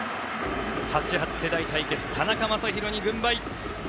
８８世代対決、田中将大に軍配。